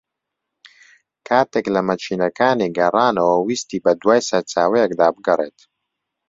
کاتێک لە مەکینەکانی گەڕانەوە ویستی بە دووای سەرچاوەیەکدا بگەڕێت